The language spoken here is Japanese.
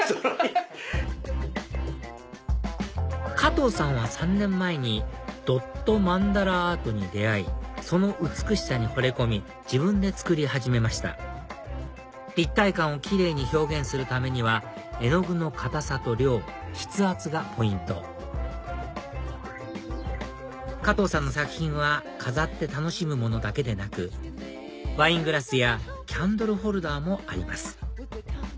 ハハハハハ加藤さんは３年前にドットマンダラアートに出会いその美しさにほれ込み自分で作り始めました立体感を奇麗に表現するためには絵の具の硬さと量筆圧がポイント加藤さんの作品は飾って楽しむものだけでなくワイングラスやキャンドルホルダーもあります